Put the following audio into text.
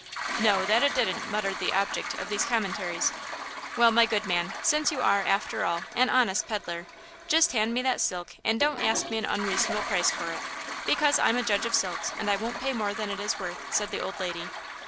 "No, that it didn't!" muttered the object of these commentaries. "Well, my good man, since you are, after all, an honest peddler, just hand me that silk and don't ask me an unreasonable price for it, because I'm a judge of silks and I won't pay more than it is worth," said the old lady.